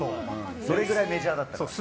それくらいメジャーだったから。